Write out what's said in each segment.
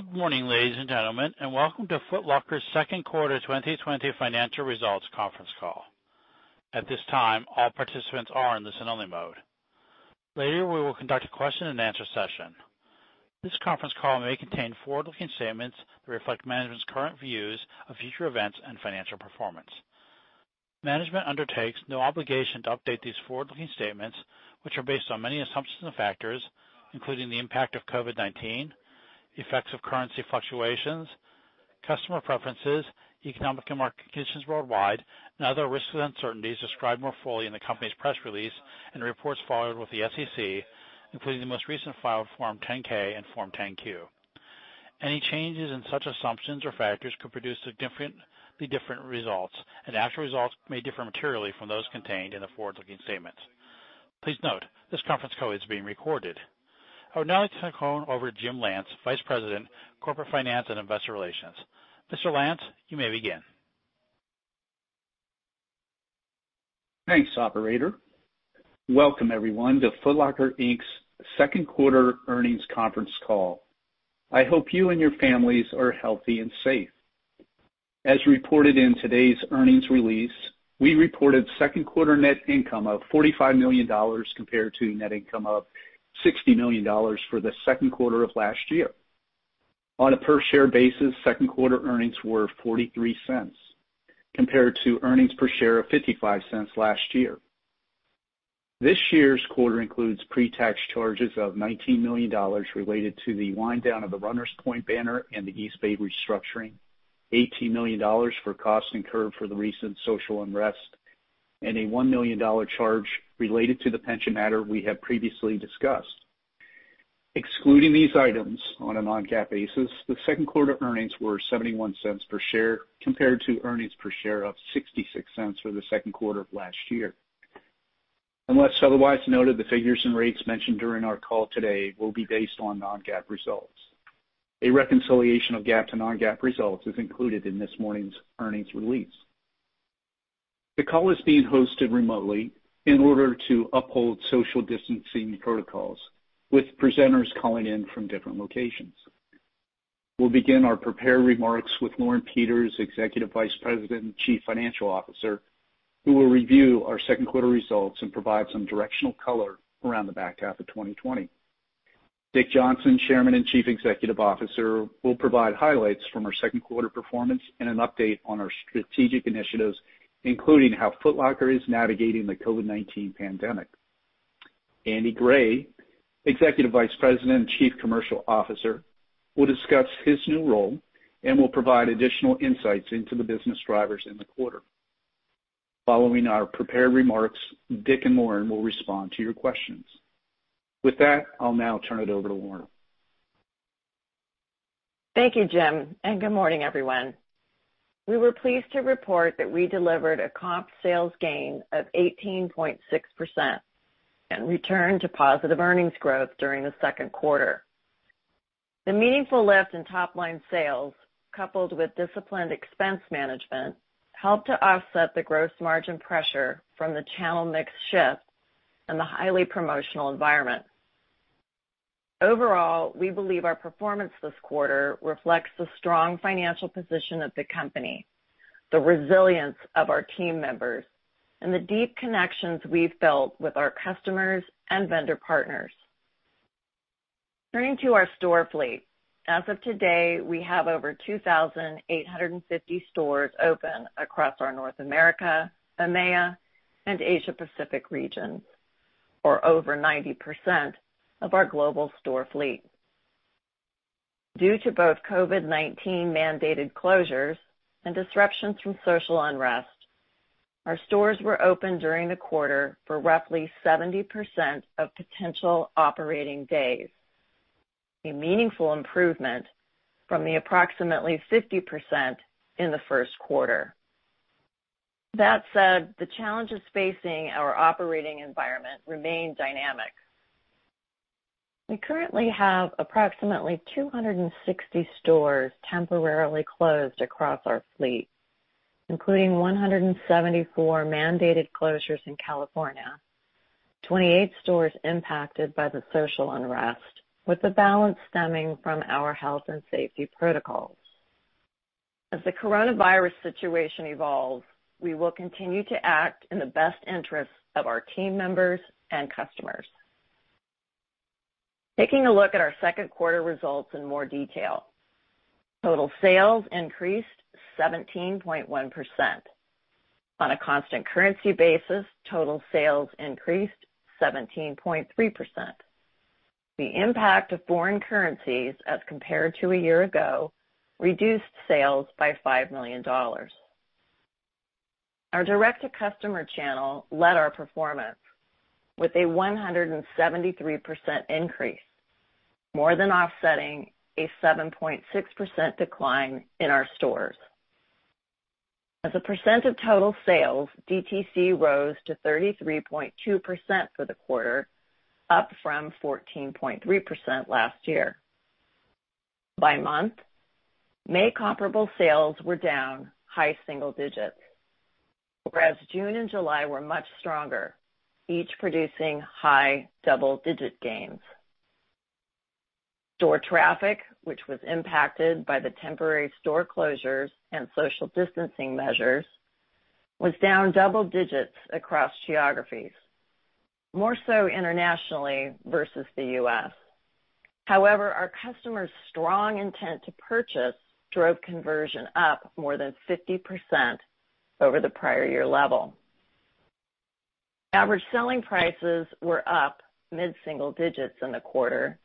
Good morning, ladies and gentlemen, and welcome to Foot Locker's second quarter 2020 financial results conference call. At this time, all participants are in listen-only mode. Later, we will conduct a question and answer session. This conference call may contain forward-looking statements that reflect management's current views of future events and financial performance. Management undertakes no obligation to update these forward-looking statements, which are based on many assumptions and factors, including the impact of COVID-19, the effects of currency fluctuations, customer preferences, economic and market conditions worldwide, and other risks and uncertainties described more fully in the company's press release and reports filed with the SEC, including the most recent filed Form 10-K and Form 10-Q. Any changes in such assumptions or factors could produce significantly different results, and actual results may differ materially from those contained in the forward-looking statements. Please note, this conference call is being recorded. I would now like to turn the call over to Jim Lance, Vice President, Corporate Finance and Investor Relations. Mr. Lance, you may begin. Thanks, operator. Welcome, everyone, to Foot Locker, Inc.'s second quarter earnings conference call. I hope you and your families are healthy and safe. As reported in today's earnings release, we reported second quarter net income of $45 million compared to net income of $60 million for the second quarter of last year. On a per-share basis, second quarter earnings were $0.43 compared to earnings per share of $0.55 last year. This year's quarter includes pre-tax charges of $19 million related to the wind down of the Runners Point banner and the Eastbay restructuring, $18 million for costs incurred for the recent social unrest, and a $1 million charge related to the pension matter we have previously discussed. Excluding these items on a non-GAAP basis, the second quarter earnings were $0.71 per share, compared to earnings per share of $0.66 for the second quarter of last year. Unless otherwise noted, the figures and rates mentioned during our call today will be based on non-GAAP results. A reconciliation of GAAP to non-GAAP results is included in this morning's earnings release. The call is being hosted remotely in order to uphold social distancing protocols, with presenters calling in from different locations. We'll begin our prepared remarks with Lauren Peters, Executive Vice President and Chief Financial Officer, who will review our second quarter results and provide some directional color around the back half of 2020. Dick Johnson, Chairman and Chief Executive Officer, will provide highlights from our second quarter performance and an update on our strategic initiatives, including how Foot Locker is navigating the COVID-19 pandemic. Andy Gray, Executive Vice President and Chief Commercial Officer, will discuss his new role and will provide additional insights into the business drivers in the quarter. Following our prepared remarks, Dick and Lauren will respond to your questions. With that, I will now turn it over to Lauren. Thank you Jim. Good morning everyone. We were pleased to report that we delivered a comp sales gain of 18.6% and returned to positive earnings growth during the second quarter. The meaningful lift in top-line sales, coupled with disciplined expense management, helped to offset the gross margin pressure from the channel mix shift and the highly promotional environment. Overall, we believe our performance this quarter reflects the strong financial position of the company, the resilience of our team members, and the deep connections we've built with our customers and vendor partners. Turning to our store fleet, as of today, we have over 2,850 stores open across our North America, EMEA, and Asia Pacific regions, or over 90% of our global store fleet. Due to both COVID-19 mandated closures and disruptions from social unrest, our stores were open during the quarter for roughly 70% of potential operating days, a meaningful improvement from the approximately 50% in the first quarter. That said, the challenges facing our operating environment remain dynamic. We currently have approximately 260 stores temporarily closed across our fleet, including 174 mandated closures in California, 28 stores impacted by the social unrest, with the balance stemming from our health and safety protocols. As the coronavirus situation evolves, we will continue to act in the best interests of our team members and customers. Taking a look at our second quarter results in more detail, total sales increased 17.1%. On a constant currency basis, total sales increased 17.3%. The impact of foreign currencies as compared to a year ago reduced sales by $5 million. Our direct-to-customer channel led our performance with a 173% increase, more than offsetting a 7.6% decline in our stores. As a percent of total sales, DTC rose to 33.2% for the quarter, up from 14.3% last year. By month, May comparable sales were down high-single-digits. Whereas June and July were much stronger, each producing high double-digit gains. Store traffic, which was impacted by the temporary store closures and social distancing measures, was down double digits across geographies, more so internationally versus the U.S. However, our customers' strong intent to purchase drove conversion up more than 50% over the prior year level. Average selling prices were up mid-single-digits in the quarter,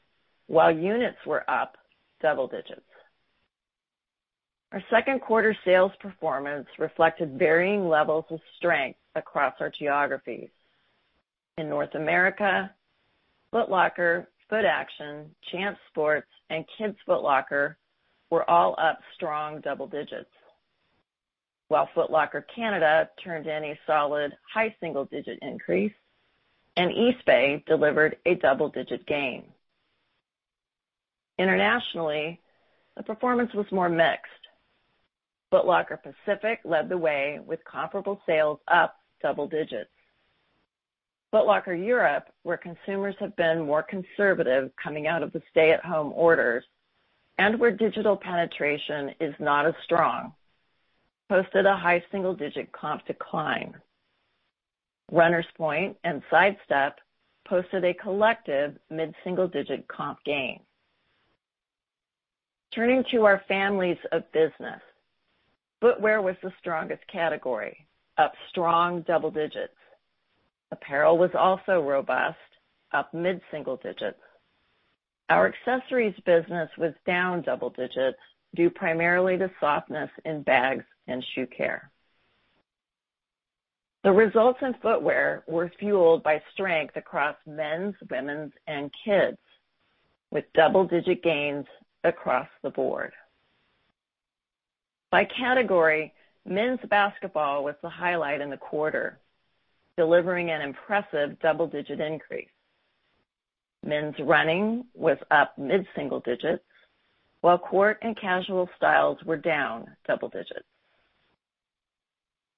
while units were up double digits. Our second quarter sales performance reflected varying levels of strength across our geographies. In North America, Foot Locker, Footaction, Champs Sports, and Kids Foot Locker were all up strong double digits, while Foot Locker Canada turned in a solid high-single-digit increase, and Eastbay delivered a double-digit gain. Internationally, the performance was more mixed. Foot Locker Pacific led the way with comparable sales up double digits. Foot Locker Europe, where consumers have been more conservative coming out of the stay-at-home orders and where digital penetration is not as strong, posted a high single-digit comp decline. Runners Point and Sidestep posted a collective mid-single-digit comp gain. Turning to our families of business, footwear was the strongest category, up strong double digits. Apparel was also robust, up mid-single-digits. Our accessories business was down double digits due primarily to softness in bags and shoe care. The results in footwear were fueled by strength across men's, women's, and kids, with double-digit gains across the board. By category, men's Basketball was the highlight in the quarter, delivering an impressive double-digit increase. Men's running was up mid-single digits, while court and casual styles were down double digits.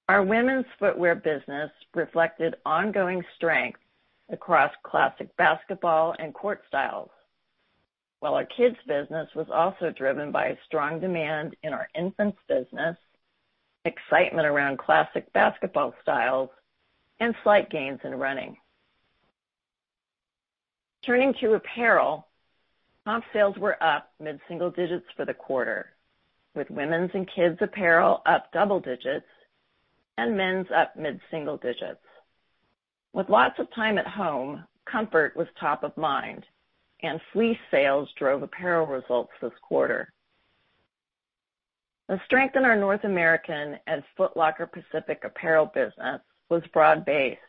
Our women's footwear business reflected ongoing strength across classic basketball and court styles, while our kids business was also driven by strong demand in our infants business, excitement around classic basketball styles, and slight gains in running. Turning to apparel, comp sales were up mid-single digits for the quarter, with women's and kids apparel up double digits and men's up mid-single digits. With lots of time at home, comfort was top of mind, and fleece sales drove apparel results this quarter. The strength in our North American and Foot Locker Pacific apparel business was broad-based,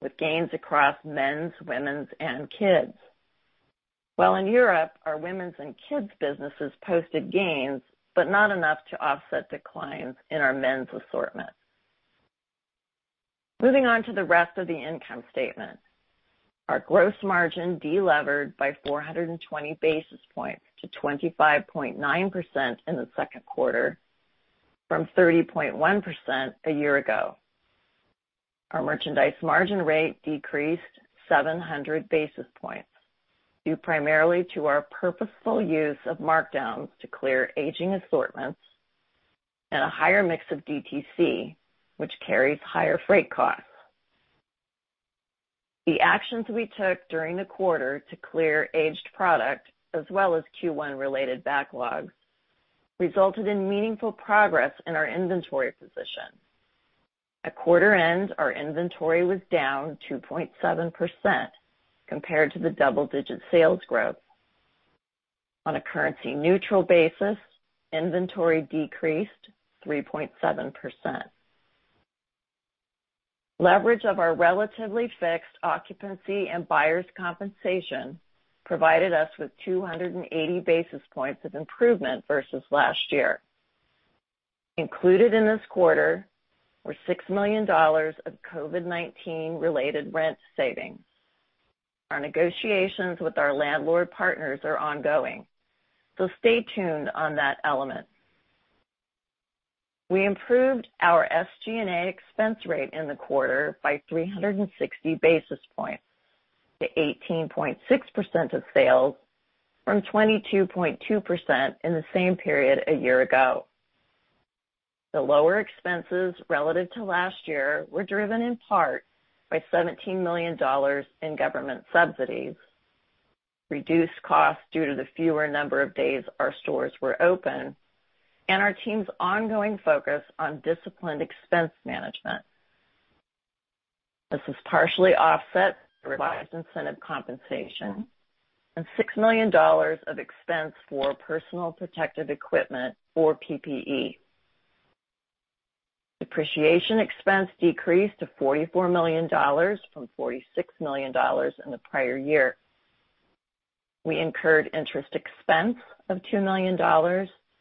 with gains across men's, women's, and kids. In Europe, our women's and kids businesses posted gains, but not enough to offset declines in our men's assortment. Moving on to the rest of the income statement. Our gross margin delevered by 420 basis points to 25.9% in the second quarter from 30.1% a year ago. Our merchandise margin rate decreased 700 basis points, due primarily to our purposeful use of markdowns to clear aging assortments and a higher mix of DTC, which carries higher freight costs. The actions we took during the quarter to clear aged product, as well as Q1-related backlogs, resulted in meaningful progress in our inventory position. At quarter end, our inventory was down 2.7% compared to the double-digit sales growth. On a currency-neutral basis, inventory decreased 3.7%. Leverage of our relatively fixed occupancy and buyers' compensation provided us with 280 basis points of improvement versus last year. Included in this quarter were $6 million of COVID-19 related rent savings. Our negotiations with our landlord partners are ongoing, stay tuned on that element. We improved our SG&A expense rate in the quarter by 360 basis points to 18.6% of sales from 22.2% in the same period a year ago. The lower expenses relative to last year were driven in part by $17 million in government subsidies, reduced costs due to the fewer number of days our stores were open, and our team's ongoing focus on disciplined expense management. This was partially offset by revised incentive compensation and $6 million of expense for personal protective equipment or PPE. Depreciation expense decreased to $44 million from $46 million in the prior year. We incurred interest expense of $2 million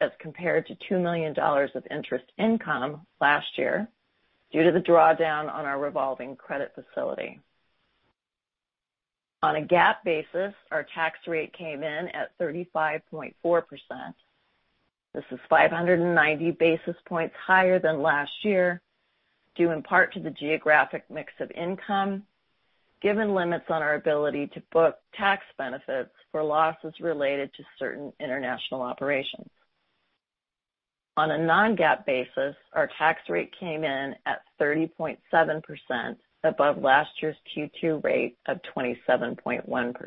as compared to $2 million of interest income last year due to the drawdown on our revolving credit facility. On a GAAP basis, our tax rate came in at 35.4%. This is 590 basis points higher than last year, due in part to the geographic mix of income, given limits on our ability to book tax benefits for losses related to certain international operations. On a non-GAAP basis, our tax rate came in at 30.7%, above last year's Q2 rate of 27.1%.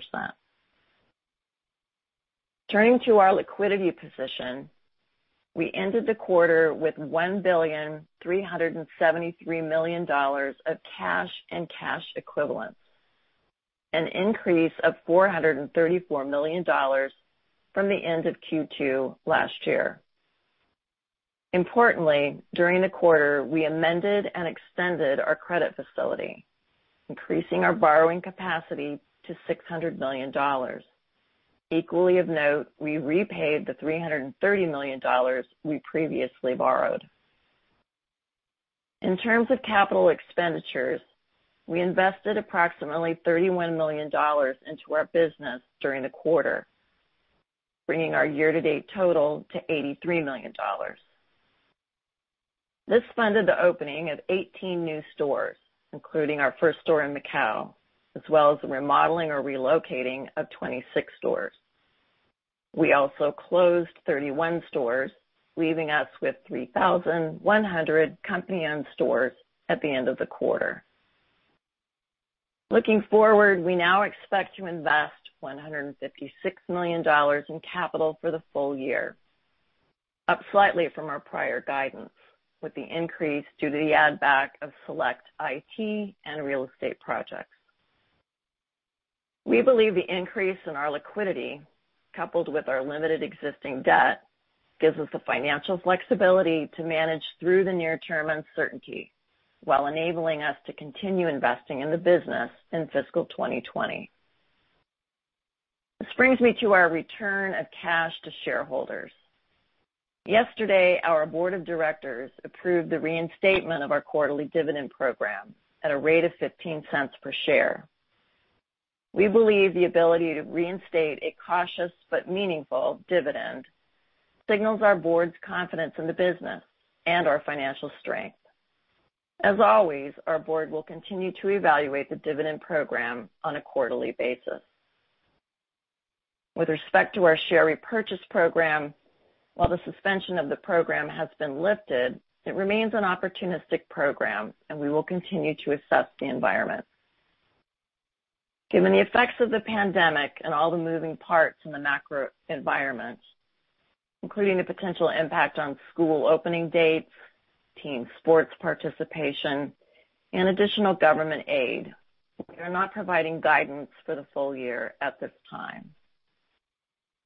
Turning to our liquidity position. We ended the quarter with $1,373,000,000 of cash and cash equivalents, an increase of $434 million from the end of Q2 last year. Importantly, during the quarter, we amended and extended our credit facility, increasing our borrowing capacity to $600 million. Equally of note, we repaid the $330 million we previously borrowed. In terms of capital expenditures, we invested approximately $31 million into our business during the quarter, bringing our year-to-date total to $83 million. This funded the opening of 18 new stores, including our first store in Macau, as well as the remodeling or relocating of 26 stores. We also closed 31 stores, leaving us with 3,100 company-owned stores at the end of the quarter. Looking forward, we now expect to invest $156 million in capital for the full year, up slightly from our prior guidance, with the increase due to the add-back of select IT and real estate projects. We believe the increase in our liquidity, coupled with our limited existing debt, gives us the financial flexibility to manage through the near-term uncertainty while enabling us to continue investing in the business in fiscal 2020. This brings me to our return of cash to shareholders. Yesterday, our board of directors approved the reinstatement of our quarterly dividend program at a rate of $0.15 per share. We believe the ability to reinstate a cautious but meaningful dividend signals our board's confidence in the business and our financial strength. As always, our board will continue to evaluate the dividend program on a quarterly basis. With respect to our share repurchase program, while the suspension of the program has been lifted, it remains an opportunistic program, and we will continue to assess the environment. Given the effects of the pandemic and all the moving parts in the macro environment, including the potential impact on school opening dates, team sports participation, and additional government aid, we are not providing guidance for the full year at this time.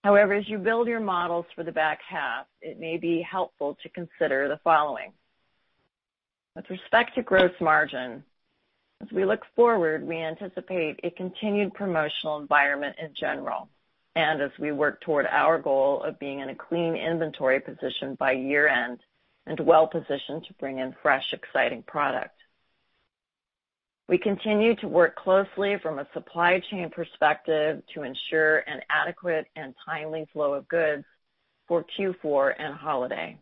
However, as you build your models for the back half, it may be helpful to consider the following. With respect to gross margin, as we look forward, we anticipate a continued promotional environment in general, and as we work toward our goal of being in a clean inventory position by year-end and well-positioned to bring in fresh, exciting product. We continue to work closely from a supply chain perspective to ensure an adequate and timely flow of goods for Q4 and holiday.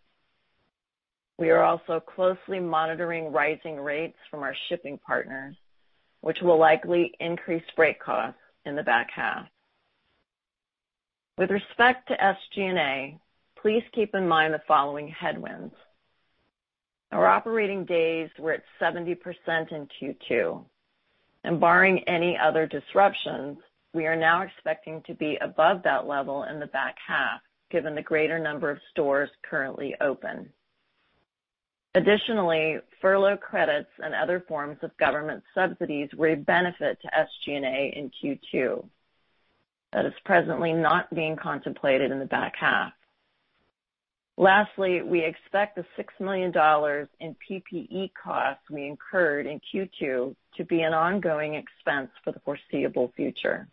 We are also closely monitoring rising rates from our shipping partners, which will likely increase freight costs in the back half. With respect to SG&A, please keep in mind the following headwinds. Our operating days were at 70% in Q2, and barring any other disruptions, we are now expecting to be above that level in the back half, given the greater number of stores currently open. Additionally, furlough credits and other forms of government subsidies were a benefit to SG&A in Q2 that is presently not being contemplated in the back half. Lastly, we expect the $6 million in PPE costs we incurred in Q2 to be an ongoing expense for the foreseeable future.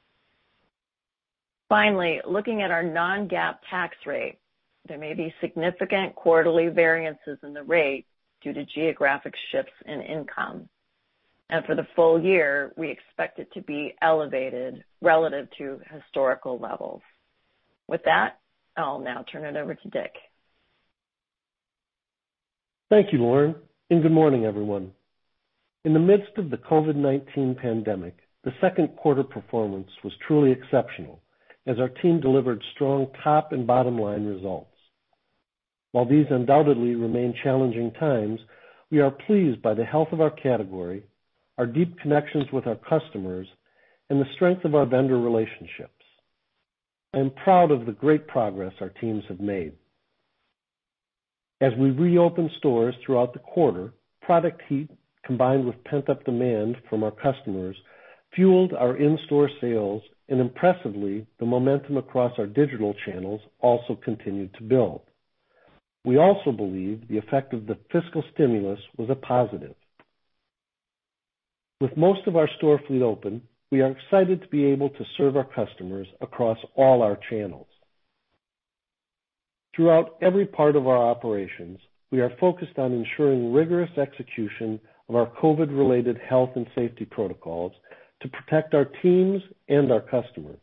Finally, looking at our non-GAAP tax rate, there may be significant quarterly variances in the rate due to geographic shifts in income. For the full year, we expect it to be elevated relative to historical levels. With that, I'll now turn it over to Dick. Thank you Lauren. Good morning everyone. In the midst of the COVID-19 pandemic, the second quarter performance was truly exceptional as our team delivered strong top and bottom-line results. While these undoubtedly remain challenging times, we are pleased by the health of our category, our deep connections with our customers, and the strength of our vendor relationships. I am proud of the great progress our teams have made. As we reopened stores throughout the quarter, product heat, combined with pent-up demand from our customers, fueled our in-store sales, and impressively, the momentum across our digital channels also continued to build. We also believe the effect of the fiscal stimulus was a positive. With most of our store fleet open, we are excited to be able to serve our customers across all our channels. Throughout every part of our operations, we are focused on ensuring rigorous execution of our COVID-related health and safety protocols to protect our teams and our customers.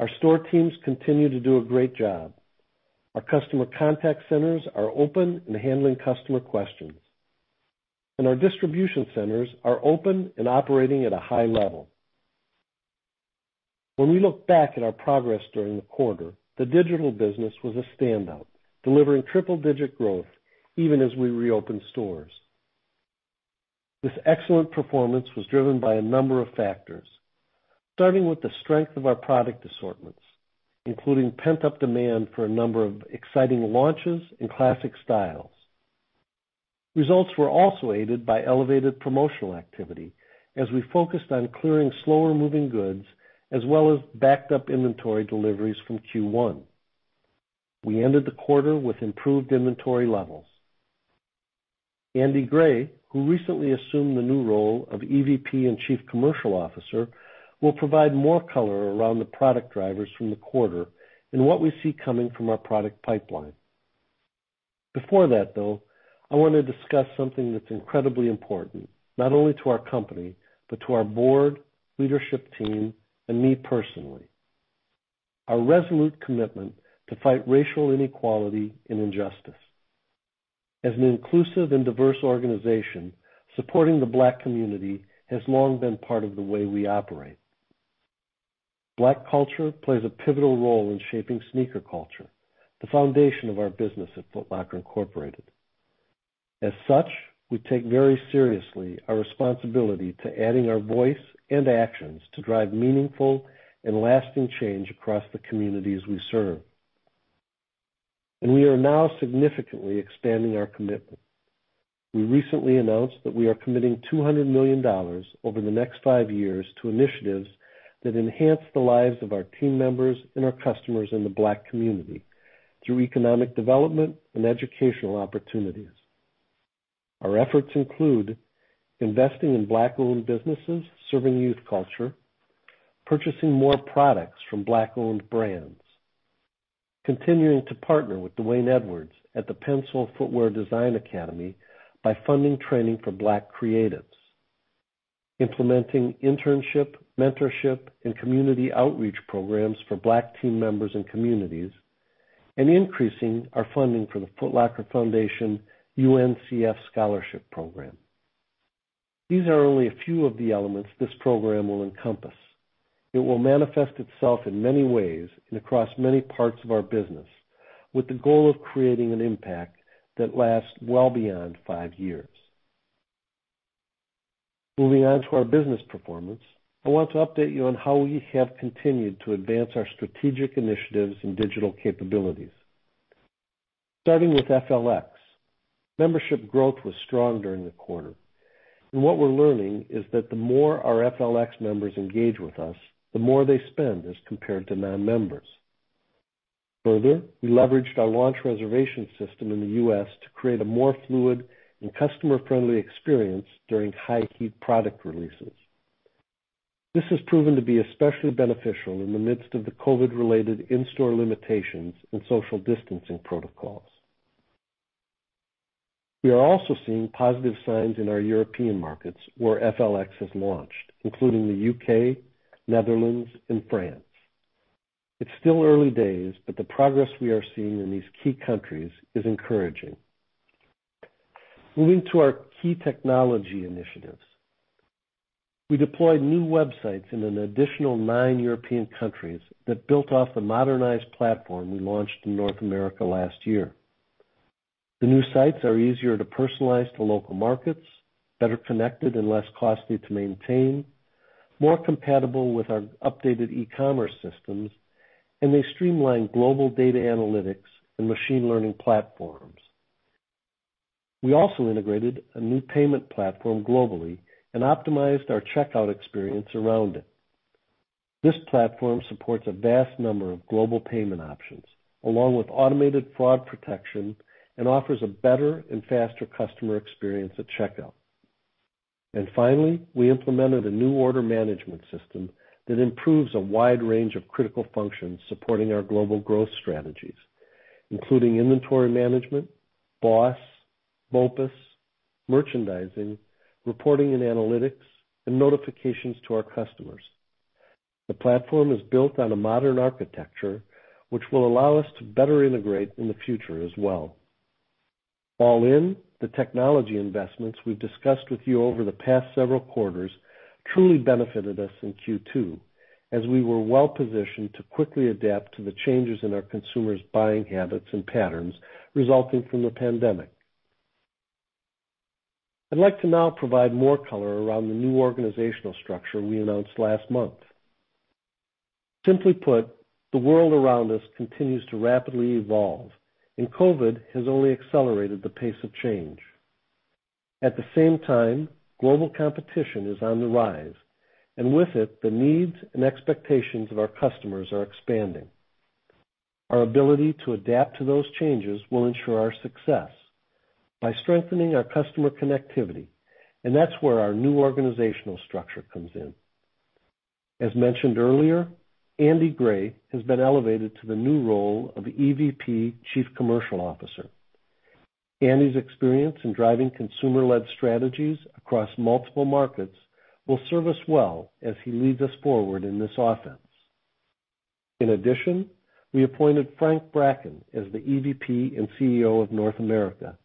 Our store teams continue to do a great job. Our customer contact centers are open and handling customer questions. Our distribution centers are open and operating at a high level. When we look back at our progress during the quarter, the digital business was a standout, delivering triple-digit growth even as we reopened stores. This excellent performance was driven by a number of factors, starting with the strength of our product assortments, including pent-up demand for a number of exciting launches and classic styles. Results were also aided by elevated promotional activity as we focused on clearing slower-moving goods as well as backed up inventory deliveries from Q1. We ended the quarter with improved inventory levels. Andy Gray, who recently assumed the new role of EVP and Chief Commercial Officer, will provide more color around the product drivers from the quarter and what we see coming from our product pipeline. Before that, though, I want to discuss something that's incredibly important not only to our company but to our board, leadership team, and me personally. Our resolute commitment to fight racial inequality and injustice. As an inclusive and diverse organization, supporting the Black community has long been part of the way we operate. Black culture plays a pivotal role in shaping sneaker culture, the foundation of our business at Foot Locker Incorporated. As such, we take very seriously our responsibility to adding our voice and actions to drive meaningful and lasting change across the communities we serve. We are now significantly expanding our commitment. We recently announced that we are committing $200 million over the next five years to initiatives that enhance the lives of our team members and our customers in the Black community through economic development and educational opportunities. Our efforts include investing in Black-owned businesses serving youth culture, purchasing more products from Black-owned brands, continuing to partner with D'Wayne Edwards at the Pensole Footwear Design Academy by funding training for Black creatives, implementing internship, mentorship, and community outreach programs for Black team members and communities, and increasing our funding for the Foot Locker Foundation UNCF Scholarship program. These are only a few of the elements this program will encompass. It will manifest itself in many ways and across many parts of our business with the goal of creating an impact that lasts well beyond five years. Moving on to our business performance, I want to update you on how we have continued to advance our strategic initiatives and digital capabilities. Starting with FLX. Membership growth was strong during the quarter. What we're learning is that the more our FLX members engage with us, the more they spend as compared to non-members. We leveraged our launch reservation system in the U.S. to create a more fluid and customer-friendly experience during high heat product releases. This has proven to be especially beneficial in the midst of the COVID-19-related in-store limitations and social distancing protocols. We are also seeing positive signs in our European markets where FLX has launched, including the U.K., Netherlands, and France. It's still early days, the progress we are seeing in these key countries is encouraging. Moving to our key technology initiatives. We deployed new websites in an additional nine European countries that built off the modernized platform we launched in North America last year. The new sites are easier to personalize to local markets, better connected and less costly to maintain, more compatible with our updated e-commerce systems, and they streamline global data analytics and machine learning platforms. We also integrated a new payment platform globally and optimized our checkout experience around it. This platform supports a vast number of global payment options, along with automated fraud protection, and offers a better and faster customer experience at checkout. Finally, we implemented a new order management system that improves a wide range of critical functions supporting our global growth strategies, including inventory management, BOSS, BOPIS, merchandising, reporting and analytics, and notifications to our customers. The platform is built on a modern architecture, which will allow us to better integrate in the future as well. All in, the technology investments we've discussed with you over the past several quarters truly benefited us in Q2, as we were well positioned to quickly adapt to the changes in our consumers' buying habits and patterns resulting from the pandemic. I'd like to now provide more color around the new organizational structure we announced last month. Simply put, the world around us continues to rapidly evolve, and COVID has only accelerated the pace of change. At the same time, global competition is on the rise, and with it, the needs and expectations of our customers are expanding. Our ability to adapt to those changes will ensure our success by strengthening our customer connectivity, and that's where our new organizational structure comes in. As mentioned earlier, Andy Gray has been elevated to the new role of EVP Chief Commercial Officer. Andy's experience in driving consumer-led strategies across multiple markets will serve us well as he leads us forward in this offense. In addition, we appointed Frank Bracken as the EVP and CEO of North America,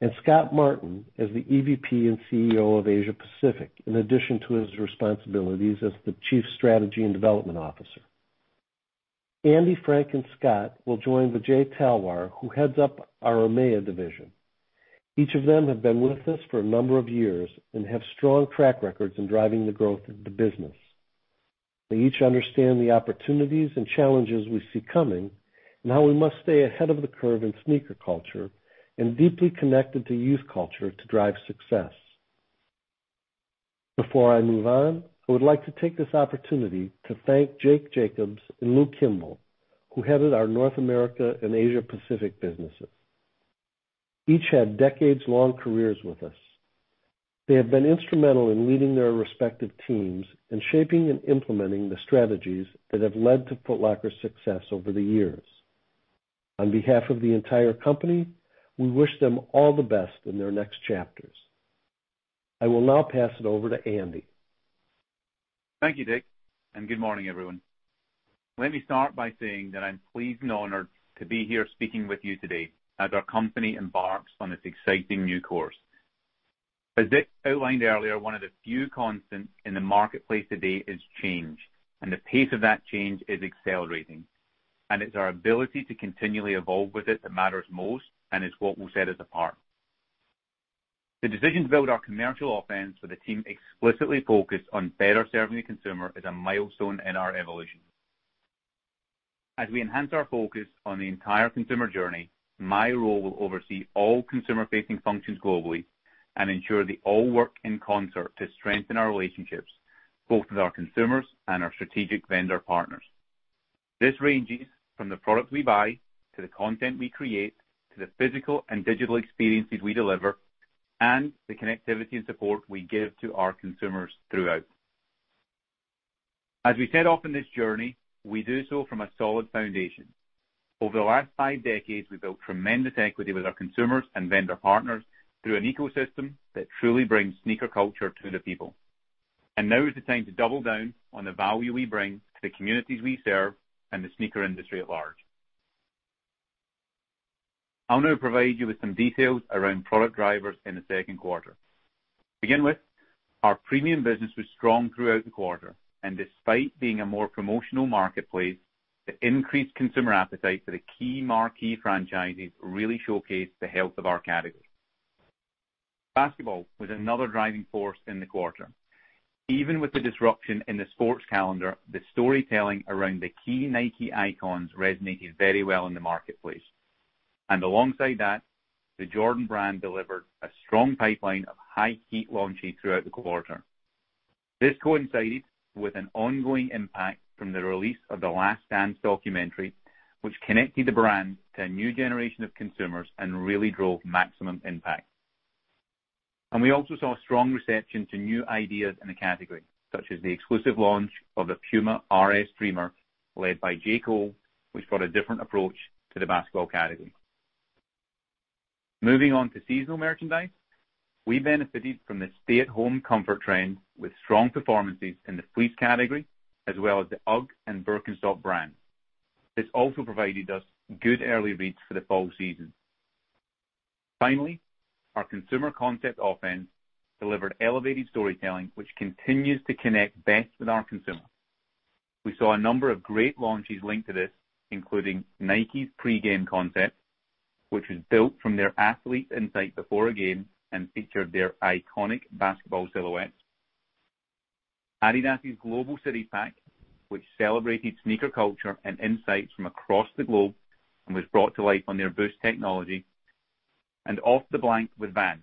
and Scott Martin as the EVP and CEO of Asia Pacific, in addition to his responsibilities as the Chief Strategy and Development Officer. Andy, Frank, and Scott will join Vijay Talwar, who heads up our EMEA division. Each of them have been with us for a number of years and have strong track records in driving the growth of the business. They each understand the opportunities and challenges we see coming and how we must stay ahead of the curve in sneaker culture and deeply connected to youth culture to drive success. Before I move on, I would like to take this opportunity to thank Jake Jacobs and Lew Kimble, who headed our North America and Asia Pacific businesses. Each had decades-long careers with us. They have been instrumental in leading their respective teams and shaping and implementing the strategies that have led to Foot Locker's success over the years. On behalf of the entire company, we wish them all the best in their next chapters. I will now pass it over to Andy. Thank you Dick. Good morning everyone. Let me start by saying that I'm pleased and honored to be here speaking with you today as our company embarks on this exciting new course. As Dick outlined earlier, one of the few constants in the marketplace today is change, and the pace of that change is accelerating, and it's our ability to continually evolve with it that matters most and is what will set us apart. The decision to build our commercial offense with a team explicitly focused on better serving the consumer is a milestone in our evolution. As we enhance our focus on the entire consumer journey, my role will oversee all consumer-facing functions globally and ensure they all work in concert to strengthen our relationships, both with our consumers and our strategic vendor partners. This ranges from the products we buy, to the content we create, to the physical and digital experiences we deliver, and the connectivity and support we give to our consumers throughout. As we set off on this journey, we do so from a solid foundation. Over the last five decades, we've built tremendous equity with our consumers and vendor partners through an ecosystem that truly brings sneaker culture to the people. Now is the time to double down on the value we bring to the communities we serve and the sneaker industry at large. I'll now provide you with some details around product drivers in the second quarter. To begin with, our premium business was strong throughout the quarter, and despite being a more promotional marketplace, the increased consumer appetite for the key marquee franchises really showcased the health of our category. Basketball was another driving force in the quarter. Even with the disruption in the sports calendar, the storytelling around the key Nike icons resonated very well in the marketplace. Alongside that, the Jordan brand delivered a strong pipeline of high heat launches throughout the quarter. This coincided with an ongoing impact from the release of "The Last Dance" documentary, which connected the brand to a new generation of consumers and really drove maximum impact. We also saw strong reception to new ideas in the category, such as the exclusive launch of the Puma RS-Dreamer, led by J. Cole, which brought a different approach to the basketball category. Moving on to seasonal merchandise, we benefited from the stay-at-home comfort trend with strong performances in the fleece category, as well as the UGG and Birkenstock brands. This also provided us good early reads for the fall season. Finally, our consumer concept offense delivered elevated storytelling, which continues to connect best with our consumer. We saw a number of great launches linked to this, including Nike's pre-game concept, which was built from their athlete insight before a game and featured their iconic basketball silhouettes, Adidas' Global City Pack, which celebrated sneaker culture and insights from across the globe and was brought to life on their Boost technology, and Off the Wall with Vans,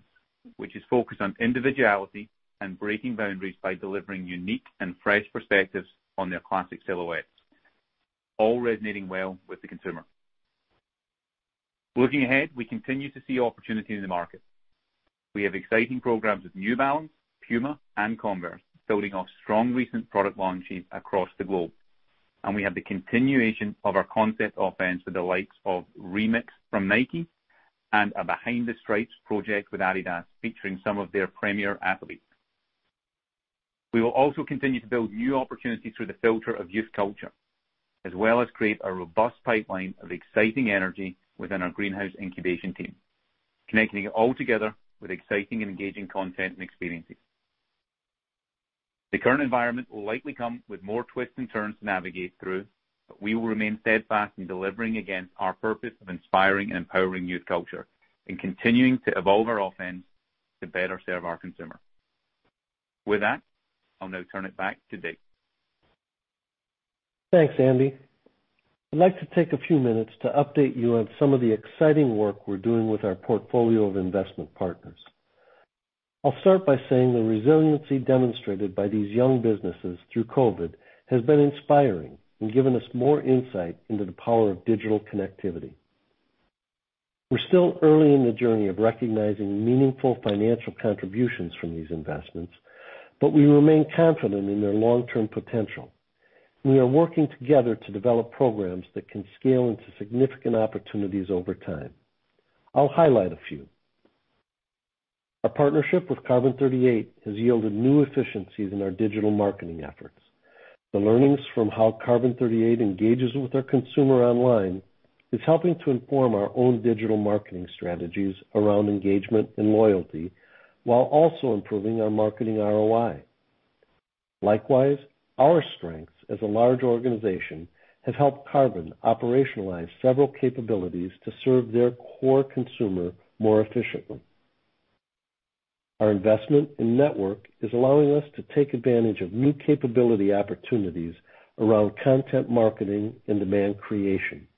which is focused on individuality and breaking boundaries by delivering unique and fresh perspectives on their classic silhouettes, all resonating well with the consumer. Looking ahead, we continue to see opportunity in the market. We have exciting programs with New Balance, Puma, and Converse building off strong recent product launches across the globe. We have the continuation of our concept offense with the likes of Remix from Nike and a Behind the Stripes project with Adidas featuring some of their premier athletes. We will also continue to build new opportunities through the filter of youth culture, as well as create a robust pipeline of exciting energy within our greenhouse incubation team, connecting it all together with exciting and engaging content and experiences. The current environment will likely come with more twists and turns to navigate through, but we will remain steadfast in delivering against our purpose of inspiring and empowering youth culture and continuing to evolve our offense to better serve our consumer. With that, I'll now turn it back to Dick. Thanks, Andy. I'd like to take a few minutes to update you on some of the exciting work we're doing with our portfolio of investment partners. I'll start by saying the resiliency demonstrated by these young businesses through COVID-19 has been inspiring and given us more insight into the power of digital connectivity. We're still early in the journey of recognizing meaningful financial contributions from these investments, we remain confident in their long-term potential. We are working together to develop programs that can scale into significant opportunities over time. I'll highlight a few. Our partnership with Carbon38 has yielded new efficiencies in our digital marketing efforts. The learnings from how Carbon38 engages with our consumer online is helping to inform our own digital marketing strategies around engagement and loyalty, while also improving our marketing ROI. Likewise, our strengths as a large organization have helped Carbon operationalize several capabilities to serve their core consumer more efficiently. Our investment in NTWRK is allowing us to take advantage of new capability opportunities around content marketing and demand creation.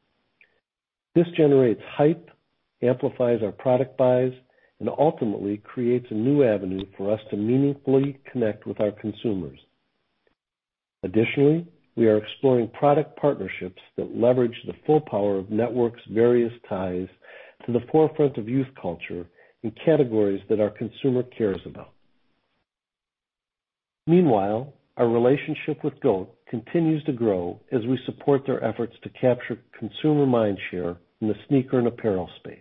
This generates hype, amplifies our product buys, and ultimately creates a new avenue for us to meaningfully connect with our consumers. Additionally, we are exploring product partnerships that leverage the full power of NTWRK's various ties to the forefront of youth culture in categories that our consumer cares about. Meanwhile, our relationship with GOAT continues to grow as we support their efforts to capture consumer mind share in the sneaker and apparel space.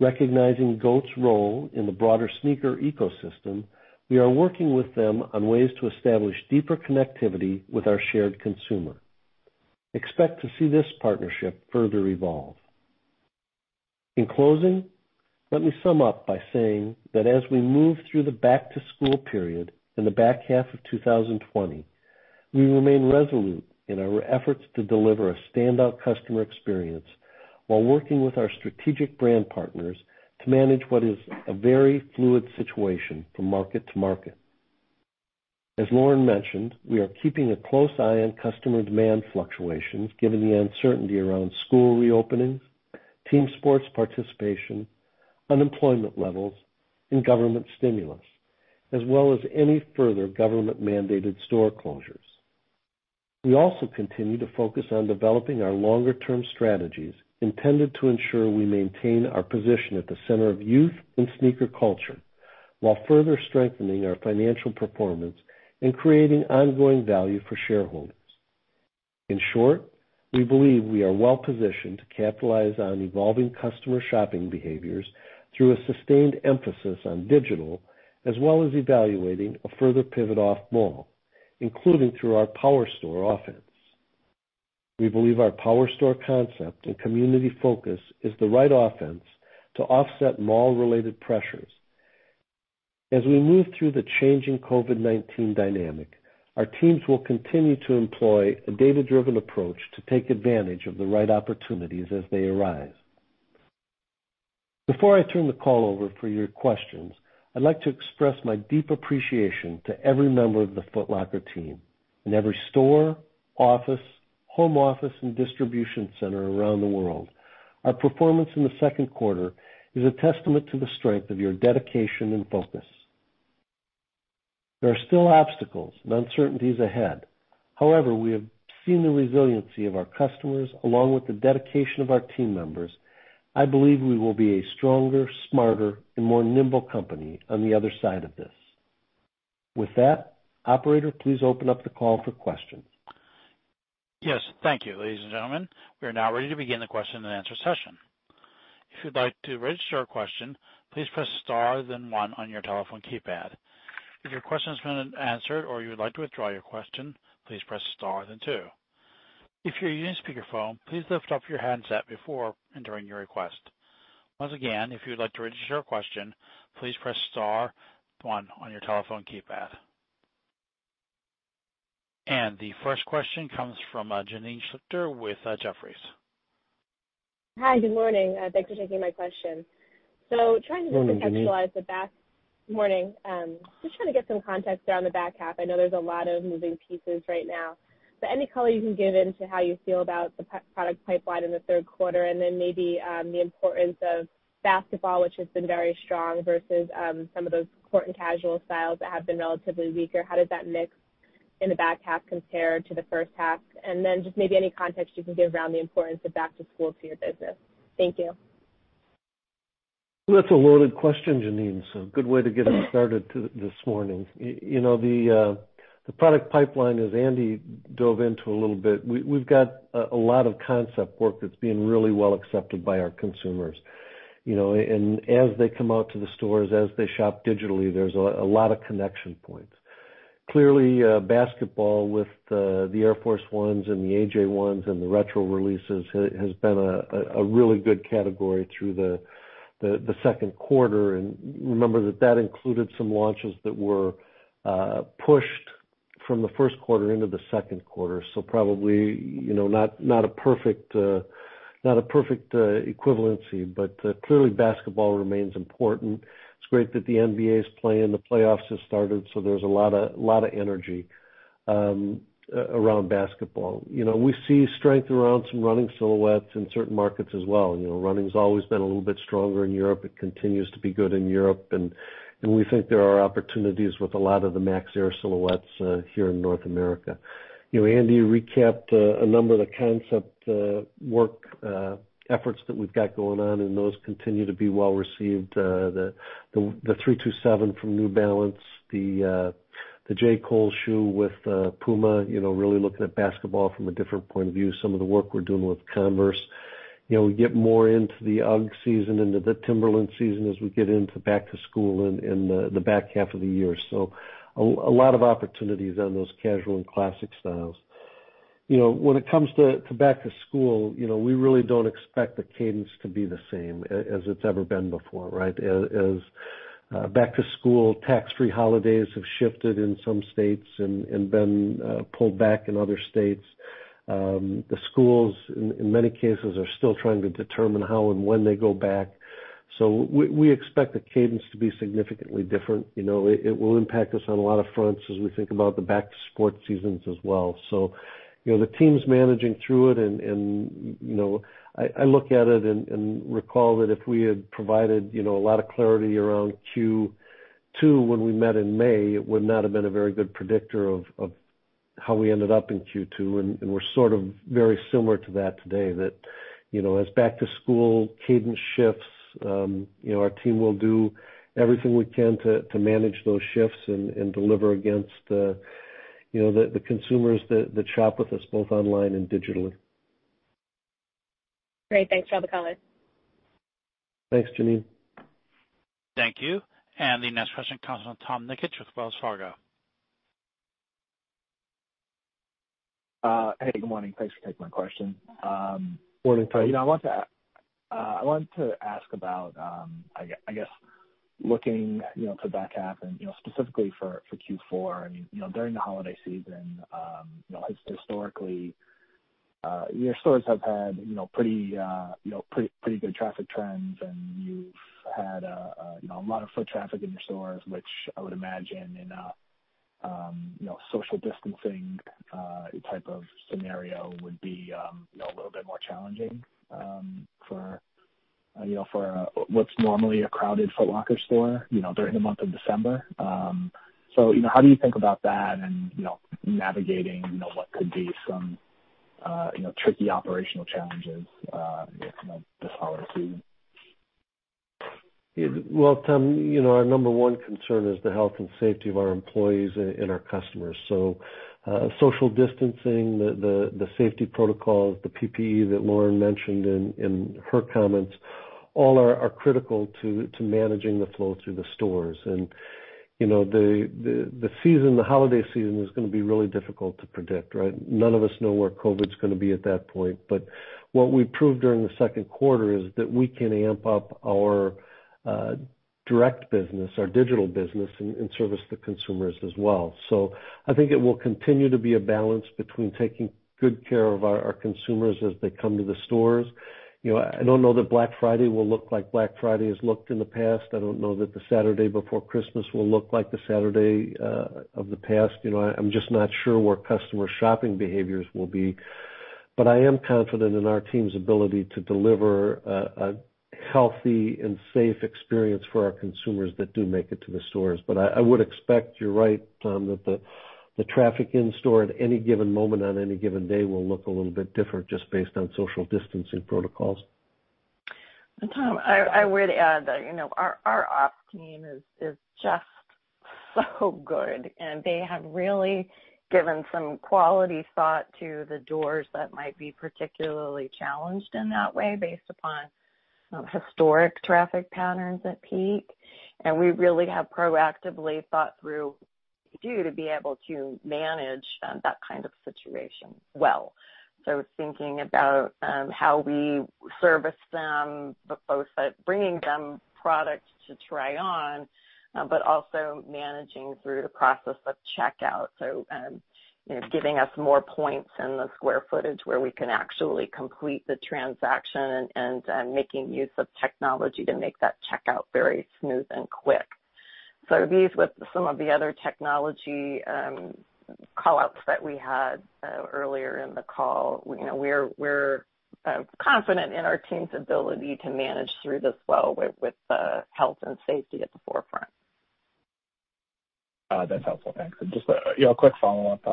Recognizing GOAT's role in the broader sneaker ecosystem, we are working with them on ways to establish deeper connectivity with our shared consumer. Expect to see this partnership further evolve. In closing, let me sum up by saying that as we move through the back-to-school period in the back half of 2020, we remain resolute in our efforts to deliver a standout customer experience while working with our strategic brand partners to manage what is a very fluid situation from market to market. As Lauren mentioned, we are keeping a close eye on customer demand fluctuations given the uncertainty around school reopenings, team sports participation, unemployment levels, and government stimulus, as well as any further government-mandated store closures. We also continue to focus on developing our longer-term strategies intended to ensure we maintain our position at the center of youth and sneaker culture while further strengthening our financial performance and creating ongoing value for shareholders. In short, we believe we are well positioned to capitalize on evolving customer shopping behaviors through a sustained emphasis on digital, as well as evaluating a further pivot off-mall, including through our Power Store offense. We believe our Power Store concept and community focus is the right offense to offset mall-related pressures. As we move through the changing COVID-19 dynamic, our teams will continue to employ a data-driven approach to take advantage of the right opportunities as they arise. Before I turn the call over for your questions, I'd like to express my deep appreciation to every member of the Foot Locker team in every store, office, home office, and distribution center around the world. Our performance in the second quarter is a testament to the strength of your dedication and focus. There are still obstacles and uncertainties ahead. However, we have seen the resiliency of our customers along with the dedication of our team members. I believe we will be a stronger, smarter, and more nimble company on the other side of this. With that, operator, please open up the call for questions. Yes. Thank you, ladies and gentlemen. We are now ready to begin the question and answer session. If you'd like to register a question, please press star then one on your telephone keypad. If your question has been answered or you would like to withdraw your question, please press star then two. If you're using speakerphone, please lift up your handset before entering your request. Once again, if you would like to register your question, please press star one on your telephone keypad. The first question comes from Janine Stichter with Jefferies. Hi. Good morning. Thanks for taking my question. Morning, Janine. Morning. Just trying to get some context around the back half. I know there's a lot of moving pieces right now. Any color you can give into how you feel about the product pipeline in the third quarter, and then maybe the importance of basketball, which has been very strong versus some of those court and casual styles that have been relatively weaker. How does that mix in the back half compare to the first half? Just maybe any context you can give around the importance of back to school to your business. Thank you. That's a loaded question, Janine, good way to get us started this morning. The product pipeline, as Andy dove into a little bit, we've got a lot of concept work that's being really well accepted by our consumers. As they come out to the stores, as they shop digitally, there's a lot of connection points. Clearly, basketball with the Air Force 1s and the AJ1s and the retro releases has been a really good category through the second quarter. Remember that that included some launches that were pushed from the first quarter into the second quarter, probably not a perfect equivalency, clearly basketball remains important. It's great that the NBA is playing. The playoffs have started, there's a lot of energy around basketball. We see strength around some running silhouettes in certain markets as well. Running's always been a little bit stronger in Europe. It continues to be good in Europe. We think there are opportunities with a lot of the Air Max silhouettes here in North America. Andy recapped a number of the concept work efforts that we've got going on, and those continue to be well-received. The 327 from New Balance, the J. Cole shoe with Puma, really looking at basketball from a different point of view, some of the work we're doing with Converse. We get more into the UGG season, into the Timberland season as we get into back to school and the back half of the year. A lot of opportunities on those casual and classic styles. When it comes to back to school, we really don't expect the cadence to be the same as it's ever been before, right? Back-to-school tax-free holidays have shifted in some states and been pulled back in other states. The schools, in many cases, are still trying to determine how and when they go back. We expect the cadence to be significantly different. It will impact us on a lot of fronts as we think about the back sports seasons as well. The team's managing through it, and I look at it and recall that if we had provided a lot of clarity around Q2 when we met in May, it would not have been a very good predictor of how we ended up in Q2, and we're sort of very similar to that today. That as back to school cadence shifts, our team will do everything we can to manage those shifts and deliver against the consumers that shop with us both online and digitally. Great. Thanks for all the comments. Thanks, Janine. Thank you. The next question comes from Tom Nikic with Wells Fargo. Hey, good morning. Thanks for taking my question. Morning, Tom. I wanted to ask about, I guess looking to the back half and specifically for Q4. During the holiday season, historically, your stores have had pretty good traffic trends, and you've had a lot of foot traffic in your stores, which I would imagine in a social distancing type of scenario would be a little bit more challenging for what's normally a crowded Foot Locker store during the month of December. How do you think about that and navigating what could be some tricky operational challenges this holiday season? Well, Tom, our number one concern is the health and safety of our employees and our customers. Social distancing, the safety protocols, the PPE that Lauren mentioned in her comments, all are critical to managing the flow through the stores. The holiday season is going to be really difficult to predict, right? None of us know where COVID's going to be at that point. What we proved during the second quarter is that we can amp up our direct business, our digital business, and service the consumers as well. I think it will continue to be a balance between taking good care of our consumers as they come to the stores. I don't know that Black Friday will look like Black Friday has looked in the past. I don't know that the Saturday before Christmas will look like the Saturday of the past. I'm just not sure where customer shopping behaviors will be. I am confident in our team's ability to deliver a healthy and safe experience for our consumers that do make it to the stores. I would expect you're right, Tom, that the traffic in store at any given moment on any given day will look a little bit different just based on social distancing protocols. Tom, I would add that our ops team is just so good, and they have really given some quality thought to the doors that might be particularly challenged in that way based upon historic traffic patterns at peak. We really have proactively thought through what to do to be able to manage that kind of situation well. Thinking about how we service them, both at bringing them products to try on, but also managing through the process of checkout. Giving us more points in the square footage where we can actually complete the transaction and making use of technology to make that checkout very smooth and quick. These, with some of the other technology call-outs that we had earlier in the call, we're confident in our team's ability to manage through this well with health and safety at the forefront. That's helpful. Thanks. Just a quick follow-up,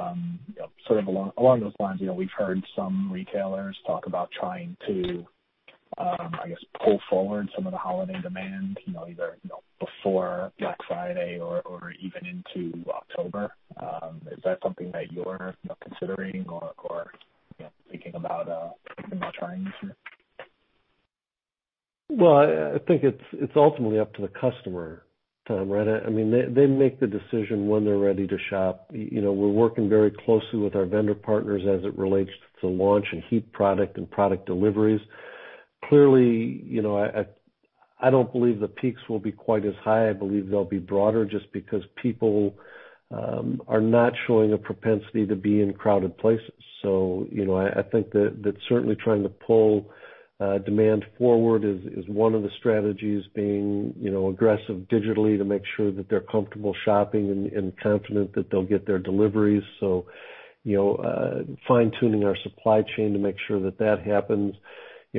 sort of along those lines. We've heard some retailers talk about trying to, I guess, pull forward some of the holiday demand, either before Black Friday or even into October. Is that something that you're considering or thinking about trying this year? Well, I think it's ultimately up to the customer, Tom, right? They make the decision when they're ready to shop. We're working very closely with our vendor partners as it relates to launch and heat product and product deliveries. Clearly, I don't believe the peaks will be quite as high. I believe they'll be broader just because people are not showing a propensity to be in crowded places. I think that certainly trying to pull demand forward is one of the strategies, being aggressive digitally to make sure that they're comfortable shopping and confident that they'll get their deliveries. Fine-tuning our supply chain to make sure that that happens.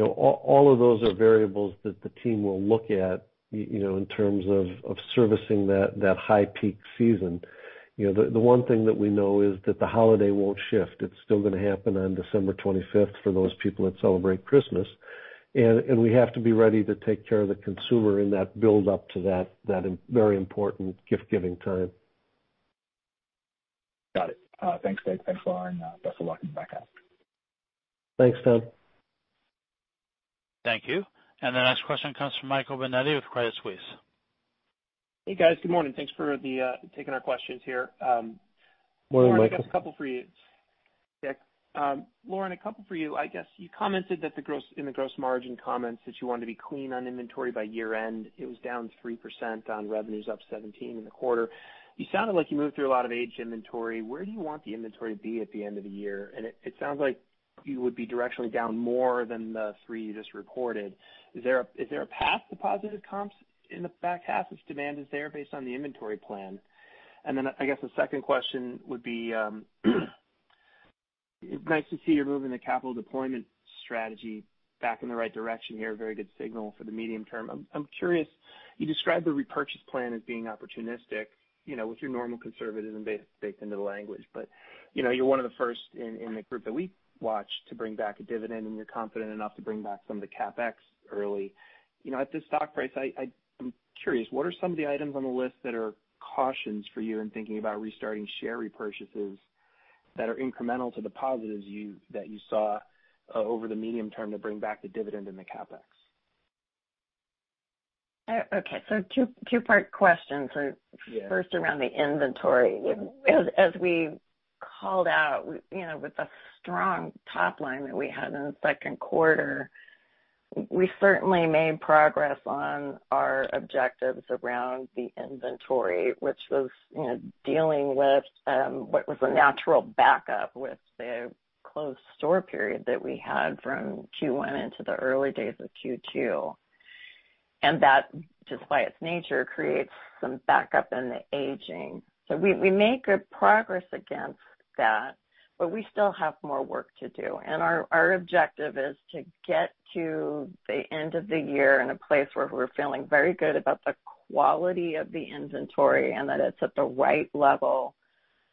All of those are variables that the team will look at in terms of servicing that high peak season. The one thing that we know is that the holiday won't shift. It's still going to happen on December 25th for those people that celebrate Christmas. We have to be ready to take care of the consumer in that build up to that very important gift-giving time. Got it. Thanks, Dick. Thanks, Lauren. Best of luck in the back half. Thanks Tom. Thank you. The next question comes from Michael Binetti with Credit Suisse. Hey, guys. Good morning. Thanks for taking our questions here. Morning, Michael. Dick, I guess a couple for you. Dick, Lauren, a couple for you. I guess you commented in the gross margin comments that you wanted to be clean on inventory by year-end. It was down 3% on revenues up 17% in the quarter. You sounded like you moved through a lot of aged inventory. Where do you want the inventory to be at the end of the year? It sounds like you would be directionally down more than the 3% you just recorded. Is there a path to positive comps in the back half if demand is there based on the inventory plan? I guess the second question would be, it's nice to see you're moving the capital deployment strategy back in the right direction here. Very good signal for the medium term. I'm curious, you described the repurchase plan as being opportunistic, with your normal conservatism baked into the language. You're one of the first in the group that we watch to bring back a dividend, and you're confident enough to bring back some of the CapEx early. At this stock price, I'm curious, what are some of the items on the list that are cautions for you in thinking about restarting share repurchases that are incremental to the positives that you saw over the medium term to bring back the dividend and the CapEx? Okay. two-part question. Yeah. First around the inventory. As we called out, with the strong top line that we had in the second quarter, we certainly made progress on our objectives around the inventory, which was dealing with what was a natural backup with the closed store period that we had from Q1 into the early days of Q2. That, just by its nature, creates some backup in the aging. We made good progress against that, but we still have more work to do. Our objective is to get to the end of the year in a place where we're feeling very good about the quality of the inventory and that it's at the right level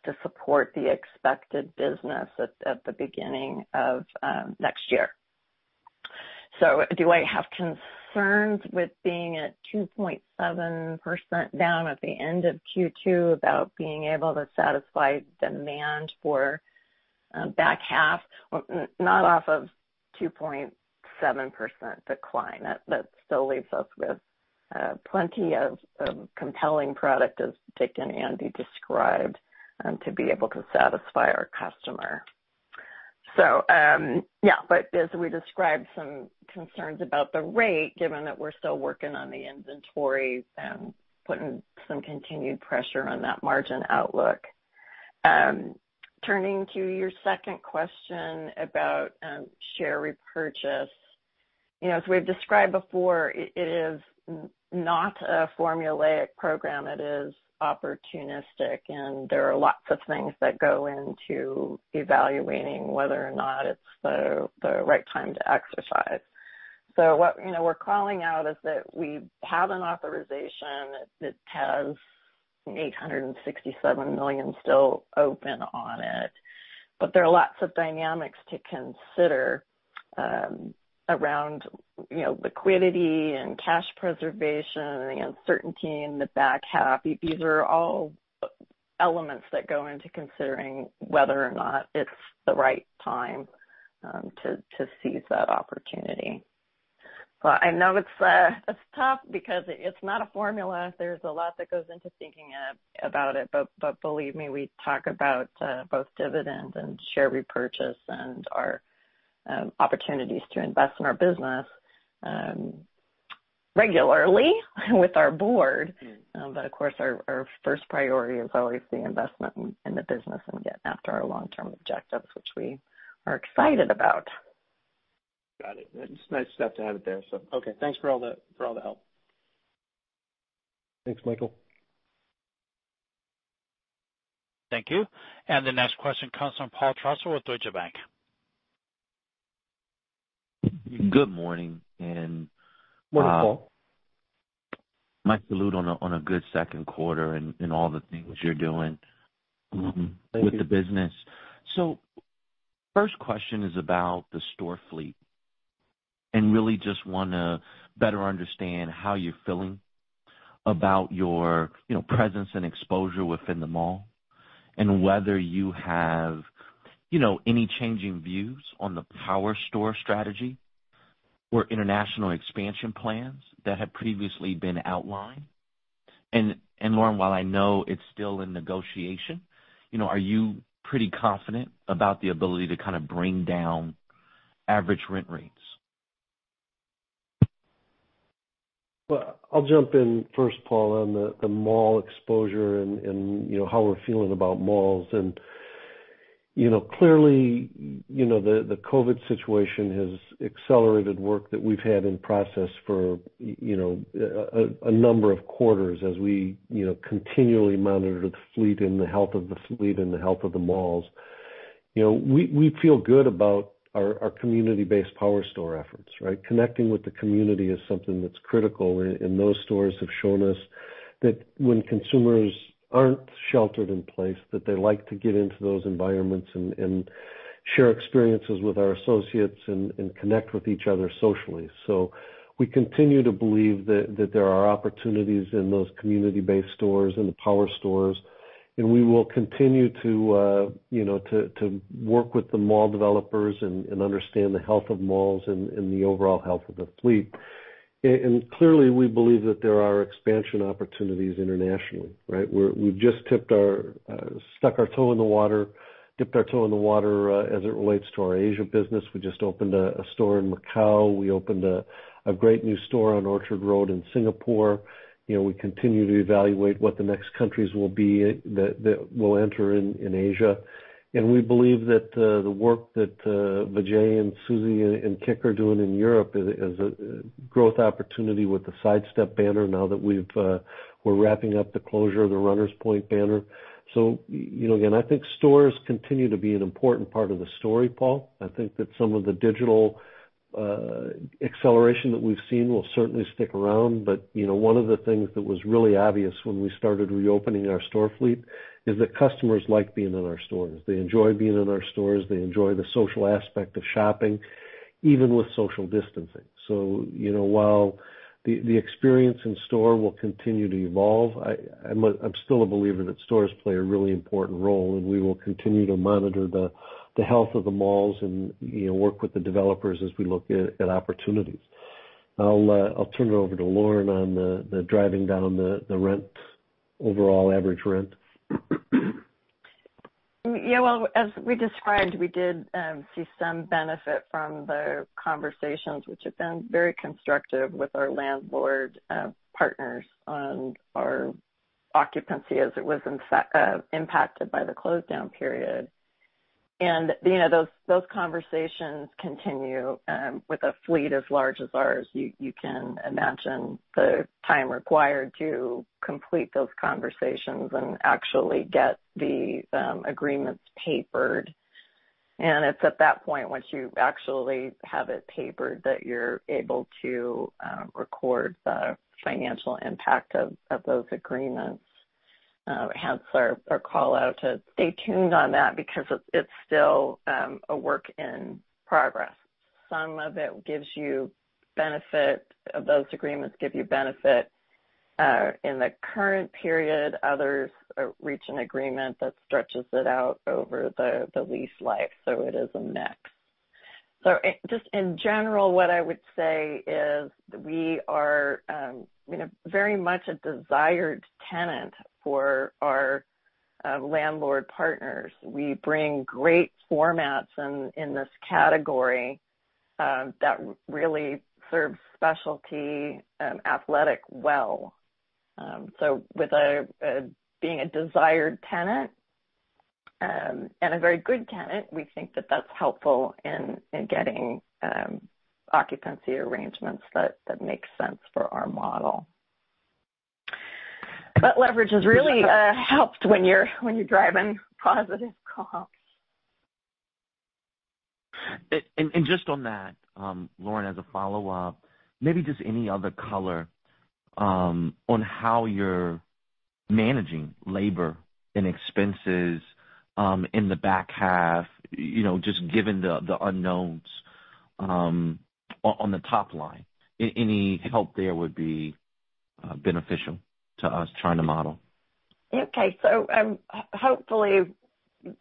to support the expected business at the beginning of next year. Do I have concerns with being at 2.7% down at the end of Q2 about being able to satisfy demand for back half? Not off of 2.7% decline. That still leaves us with plenty of compelling product, as Dick and Andy described, to be able to satisfy our customer. Yeah. As we described, some concerns about the rate, given that we're still working on the inventories and putting some continued pressure on that margin outlook. Turning to your second question about share repurchase. As we've described before, it is not a formulaic program. It is opportunistic, and there are lots of things that go into evaluating whether or not it's the right time to exercise. What we're calling out is that we have an authorization that has $867 million still open on it. There are lots of dynamics to consider around liquidity and cash preservation and the uncertainty in the back half. These are all elements that go into considering whether or not it's the right time to seize that opportunity. I know it's tough because it's not a formula. There's a lot that goes into thinking about it. Believe me, we talk about both dividends and share repurchase and our opportunities to invest in our business regularly with our Board. Of course, our first priority is always the investment in the business and getting after our long-term objectives, which we are excited about. Got it. It's nice stuff to have it there. Okay, thanks for all the help. Thanks, Michael. Thank you. The next question comes from Paul Trussell with Deutsche Bank. Good morning. Morning, Paul. My salute on a good second quarter and all the things you're doing. Thank you. with the business. First question is about the store fleet, really just want to better understand how you're feeling about your presence and exposure within the mall, whether you have any changing views on the Power Store strategy or international expansion plans that had previously been outlined. Lauren, while I know it's still in negotiation, are you pretty confident about the ability to kind of bring down average rent rates? Well, I'll jump in first, Paul, on the mall exposure and how we're feeling about malls. Clearly, the COVID-19 situation has accelerated work that we've had in process for a number of quarters as we continually monitor the fleet and the health of the fleet and the health of the malls. We feel good about our community-based Power Store efforts. Connecting with the community is something that's critical, those stores have shown us that when consumers aren't sheltered in place, that they like to get into those environments and share experiences with our associates and connect with each other socially. We continue to believe that there are opportunities in those community-based stores and the Power Stores, we will continue to work with the mall developers and understand the health of malls and the overall health of the fleet. Clearly, we believe that there are expansion opportunities internationally. We've just stuck our toe in the water, dipped our toe in the water, as it relates to our Asia business. We just opened a store in Macau. We opened a great new store on Orchard Road in Singapore. We continue to evaluate what the next countries will be that we'll enter in Asia. We believe that the work that Vijay and Susie and Kik are doing in Europe is a growth opportunity with the Sidestep banner now that we're wrapping up the closure of the Runners Point banner. Again, I think stores continue to be an important part of the story, Paul. I think that some of the digital acceleration that we've seen will certainly stick around. One of the things that was really obvious when we started reopening our store fleet is that customers like being in our stores. They enjoy being in our stores. They enjoy the social aspect of shopping, even with social distancing. While the experience in store will continue to evolve, I'm still a believer that stores play a really important role, and we will continue to monitor the health of the malls and work with the developers as we look at opportunities. I'll turn it over to Lauren on the driving down the overall average rent. Yeah. Well, as we described, we did see some benefit from the conversations, which have been very constructive with our landlord partners on our occupancy as it was impacted by the closed down period. Those conversations continue. With a fleet as large as ours, you can imagine the time required to complete those conversations and actually get the agreements papered. It's at that point, once you actually have it papered, that you're able to record the financial impact of those agreements. Hence our callout to stay tuned on that because it's still a work in progress. Some of those agreements give you benefit in the current period. Others reach an agreement that stretches it out over the lease life, so it is a mix. Just in general, what I would say is we are very much a desired tenant for our landlord partners. We bring great formats in this category that really serves specialty athletic well. With being a desired tenant and a very good tenant, we think that that's helpful in getting occupancy arrangements that make sense for our model. Leverage has really helped when you're driving positive comps. Just on that, Lauren, as a follow-up, maybe just any other color on how you're managing labor and expenses in the back half, just given the unknowns on the top line. Any help there would be beneficial to us trying to model. Okay. Hopefully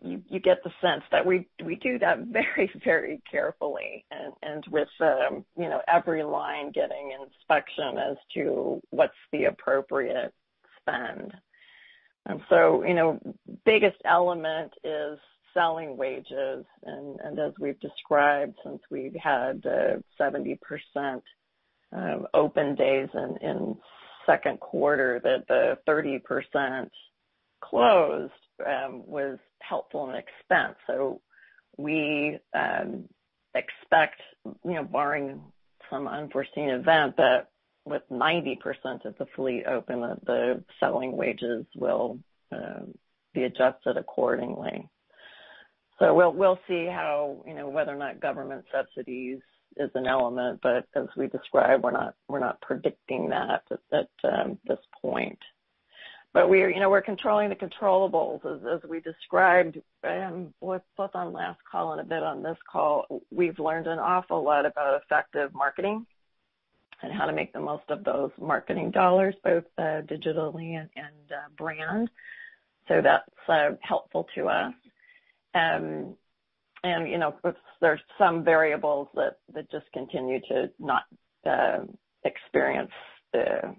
you get the sense that we do that very carefully and with every line getting inspection as to what's the appropriate spend. Biggest element is selling wages. As we've described since we've had 70% open days in second quarter, that the 30% closed was helpful in expense. We expect, barring some unforeseen event, that with 90% of the fleet open, that the selling wages will be adjusted accordingly. We'll see whether or not government subsidies is an element. As we described, we're not predicting that at this point. We're controlling the controllables, as we described both on last call and a bit on this call. We've learned an awful lot about effective marketing and how to make the most of those marketing dollars, both digitally and brand. That's helpful to us. There's some variables that just continue to not experience the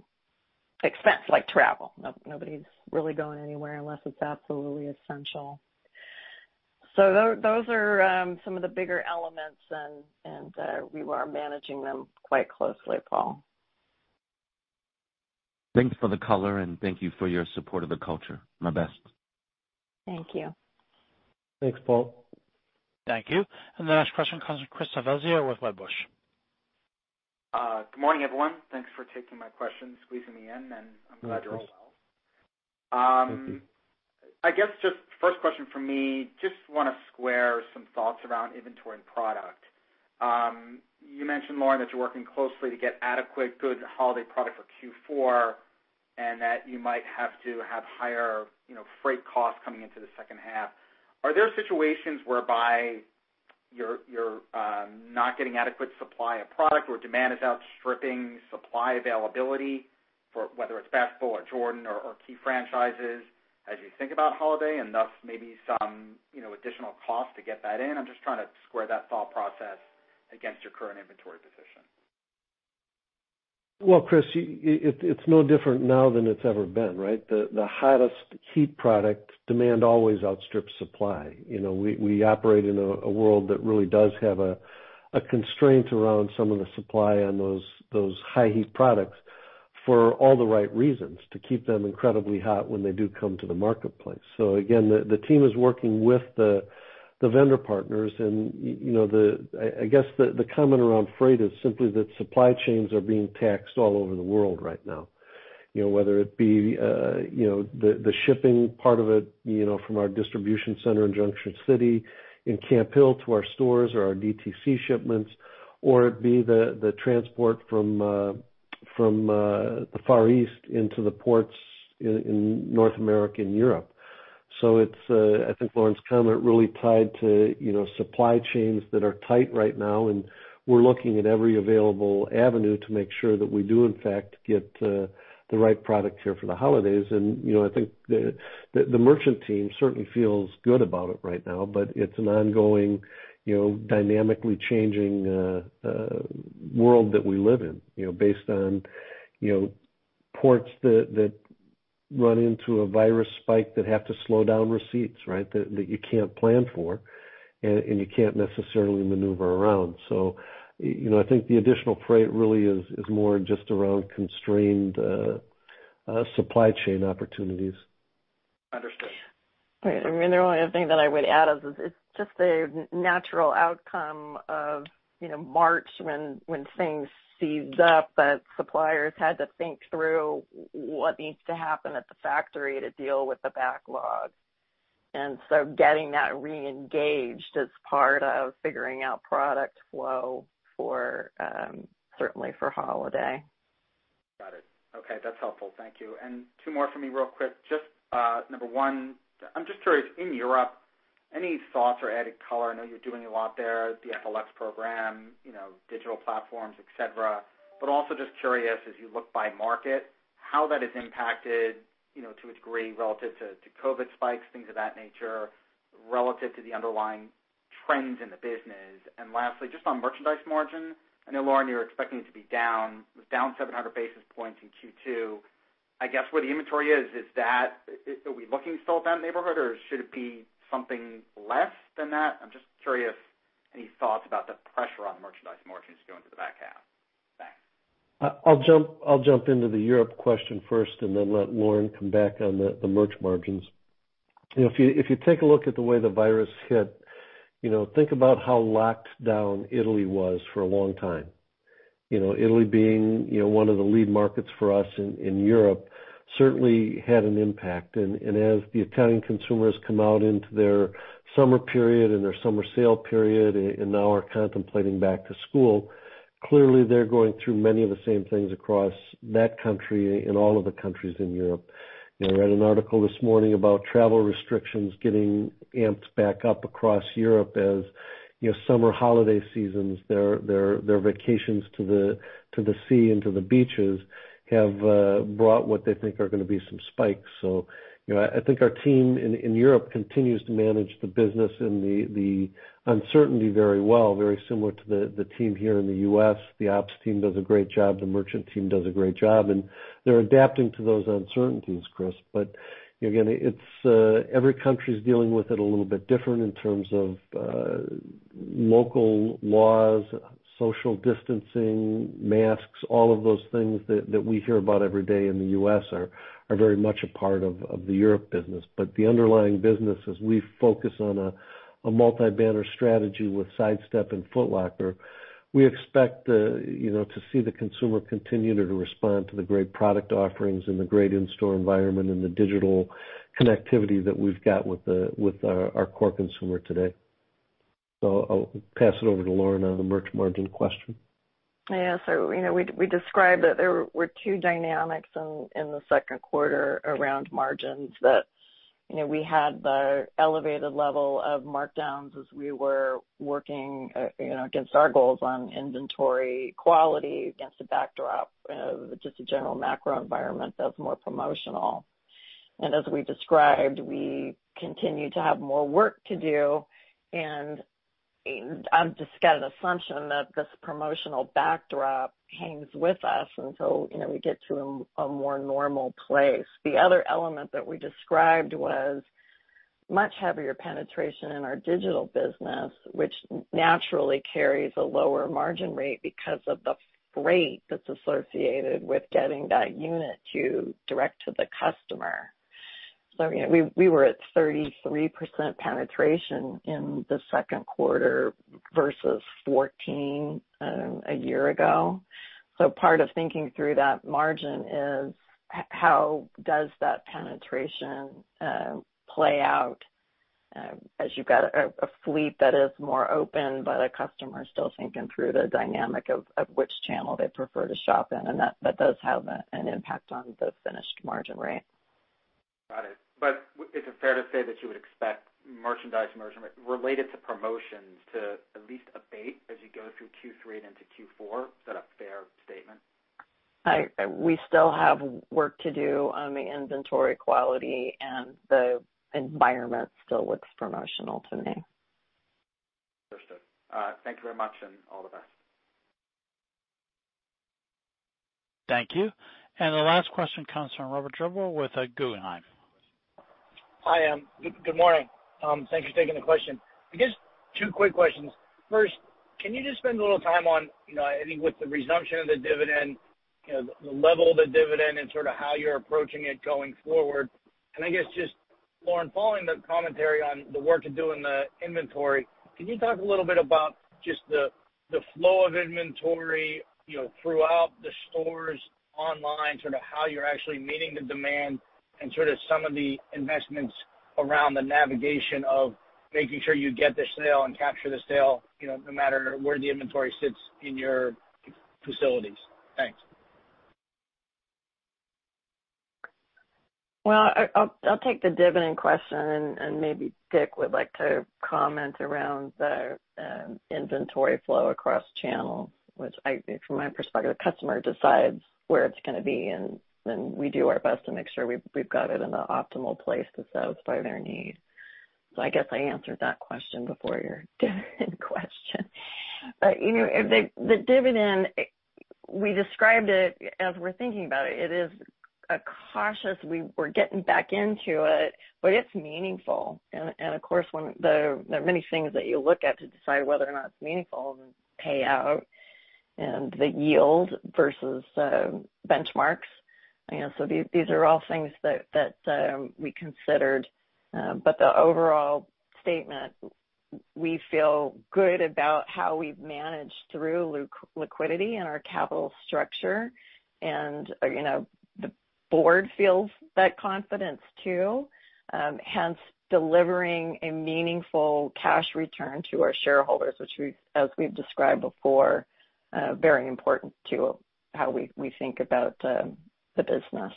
expense, like travel. Nobody's really going anywhere unless it's absolutely essential. Those are some of the bigger elements, and we are managing them quite closely, Paul. Thanks for the color. Thank you for your support of the culture. My best. Thank you. Thanks, Paul. Thank you. The next question comes from Christopher Svezia with Wedbush. Good morning everyone. Thanks for taking my questions, squeezing me in, and I'm glad you're all well. Thank you. I guess just first question from me, just want to square some thoughts around inventory and product. You mentioned, Lauren, that you're working closely to get adequate good holiday product for Q4, and that you might have to have higher freight costs coming into the second half. Are there situations whereby you're not getting adequate supply of product, or demand is outstripping supply availability for whether it's Basketball or Jordan or key franchises as you think about holiday and thus maybe some additional cost to get that in? I'm just trying to square that thought process against your current inventory position. Well, Chris, it's no different now than it's ever been, right? The hottest heat product demand always outstrips supply. We operate in a world that really does have a constraint around some of the supply on those high heat products for all the right reasons, to keep them incredibly hot when they do come to the marketplace. Again, the team is working with the vendor partners and I guess the comment around freight is simply that supply chains are being taxed all over the world right now. Whether it be the shipping part of it from our distribution center in Junction City, in Camp Hill to our stores or our DTC shipments, or it be the transport from the Far East into the ports in North America and Europe. I think Lauren's comment really tied to supply chains that are tight right now, and we're looking at every available avenue to make sure that we do in fact, get the right product here for the holidays. I think the merchant team certainly feels good about it right now, but it's an ongoing dynamically changing world that we live in based on ports that run into a virus spike that have to slow down receipts, right? That you can't plan for and you can't necessarily maneuver around. I think the additional freight really is more just around constrained supply chain opportunities. Understood. Right. The only other thing that I would add is it's just a natural outcome of March when things seized up that suppliers had to think through what needs to happen at the factory to deal with the backlog. Getting that reengaged is part of figuring out product flow certainly for holiday. Got it. Okay, that's helpful. Thank you. Two more from me real quick. Just, number 1, I'm just curious, in Europe, any thoughts or added color? I know you're doing a lot there, the FLX program, digital platforms, et cetera. Also just curious as you look by market, how that has impacted to a degree relative to COVID spikes, things of that nature, relative to the underlying trends in the business. Lastly, just on merchandise margin, I know, Lauren, you're expecting it to be down 700 basis points in Q2. I guess where the inventory is, are we looking still at that neighborhood or should it be something less than that? I'm just curious any thoughts about the pressure on merchandise margins going to the back half. Thanks. I'll jump into the Europe question first and then let Lauren come back on the merch margins. If you take a look at the way the virus hit, think about how locked down Italy was for a long time. As the Italian consumers come out into their summer period and their summer sale period, and now are contemplating back to school, clearly they're going through many of the same things across that country and all of the countries in Europe. I read an article this morning about travel restrictions getting amped back up across Europe as summer holiday seasons, their vacations to the sea and to the beaches have brought what they think are going to be some spikes. I think our team in Europe continues to manage the business and the uncertainty very well, very similar to the team here in the U.S. The ops team does a great job, the merchant team does a great job, and they're adapting to those uncertainties, Chris. Again, every country's dealing with it a little bit different in terms of local laws, social distancing, masks, all of those things that we hear about every day in the U.S. are very much a part of the Europe business. The underlying business, as we focus on a multi-banner strategy with Sidestep and Foot Locker, we expect to see the consumer continue to respond to the great product offerings and the great in-store environment and the digital connectivity that we've got with our core consumer today. I'll pass it over to Lauren on the merch margin question. We described that there were two dynamics in the second quarter around margins that we had the elevated level of markdowns as we were working against our goals on inventory quality against a backdrop of just a general macro environment that was more promotional. As we described, we continue to have more work to do, and I've just got an assumption that this promotional backdrop hangs with us until we get to a more normal place. The other element that we described was much heavier penetration in our digital business, which naturally carries a lower margin rate because of the freight that's associated with getting that unit direct to the customer. We were at 33% penetration in the second quarter versus 14% a year ago. Part of thinking through that margin is how does that penetration play out, as you've got a fleet that is more open, but a customer is still thinking through the dynamic of which channel they prefer to shop in, and that does have an impact on the finished margin rate. Got it. Is it fair to say that you would expect merchandise margin related to promotions to at least abate as you go through Q3 into Q4? Is that a fair statement? We still have work to do on the inventory quality, and the environment still looks promotional to me. Understood. Thank you very much, and all the best. Thank you. The last question comes from Robert Drbul with Guggenheim. Hi, good morning. Thank you for taking the question. I guess two quick questions. First, can you just spend a little time on, I think with the resumption of the dividend, the level of the dividend and sort of how you're approaching it going forward? I guess just, Lauren, following the commentary on the work you're doing the inventory, can you talk a little bit about just the flow of inventory throughout the stores, online, how you're actually meeting the demand and some of the investments around the navigation of making sure you get the sale and capture the sale, no matter where the inventory sits in your facilities. Thanks. Well, I'll take the dividend question and maybe Dick would like to comment around the inventory flow across channels, which from my perspective, the customer decides where it's going to be, and then we do our best to make sure we've got it in the optimal place to satisfy their needs. I guess I answered that question before your dividend question. The dividend, we described it as we're thinking about it is a cautious, we're getting back into it, but it's meaningful. Of course, there are many things that you look at to decide whether or not it's meaningful, the payout, and the yield versus benchmarks. These are all things that we considered. The overall statement, we feel good about how we've managed through liquidity and our capital structure. The board feels that confidence too, hence delivering a meaningful cash return to our shareholders, which as we've described before, very important to how we think about the business.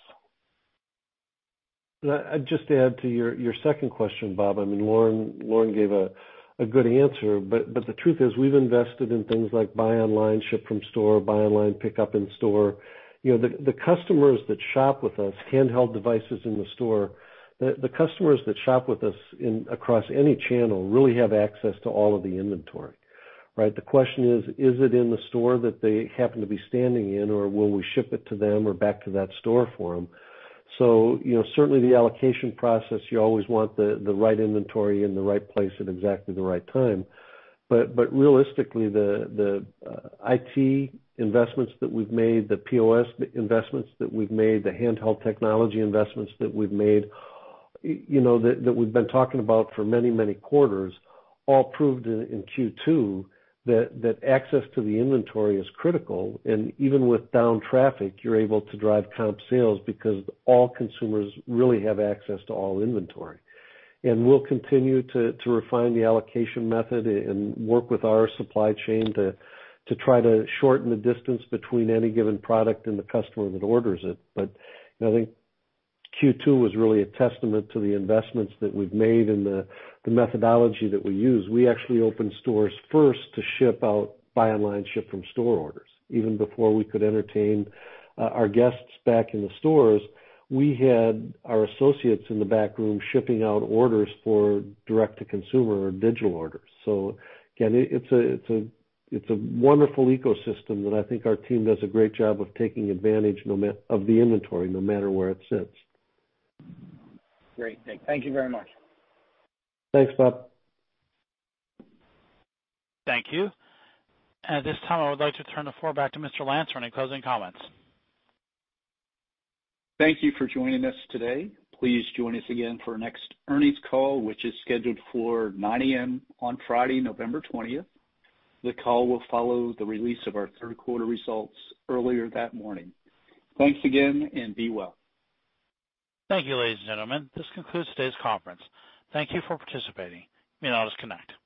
I'd just add to your second question, Bob. Lauren gave a good answer. The truth is we've invested in things like buy online, ship from store, buy online, pick up in store. The customers that shop with us, handheld devices in the store, the customers that shop with us across any channel really have access to all of the inventory. Right? The question is it in the store that they happen to be standing in, or will we ship it to them or back to that store for them? Certainly the allocation process, you always want the right inventory in the right place at exactly the right time. Realistically, the IT investments that we've made, the POS investments that we've made, the handheld technology investments that we've made, that we've been talking about for many quarters, all proved in Q2 that access to the inventory is critical, and even with down traffic, you're able to drive comp sales because all consumers really have access to all inventory. We'll continue to refine the allocation method and work with our supply chain to try to shorten the distance between any given product and the customer that orders it. I think Q2 was really a testament to the investments that we've made and the methodology that we use. We actually opened stores first to ship out buy online, ship from store orders. Even before we could entertain our guests back in the stores, we had our associates in the back room shipping out orders for direct-to-consumer or digital orders. Again, it's a wonderful ecosystem, and I think our team does a great job of taking advantage of the inventory, no matter where it sits. Great, thanks. Thank you very much. Thanks, Robert. Thank you. At this time, I would like to turn the floor back to Mr. Lance for any closing comments. Thank you for joining us today. Please join us again for our next earnings call, which is scheduled for 9:00 A.M. on Friday, November 20th, 2020. The call will follow the release of our third quarter results earlier that morning. Thanks again, and be well. Thank you, ladies and gentlemen. This concludes today's conference. Thank you for participating in you may now Connect